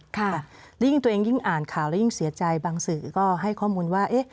ค่ะยิ่งตัวเองยิ่งอ่านข่าวแล้วยิ่งเสียใจบางสื่อก็ให้ข้อมูลว่าเอ๊ะ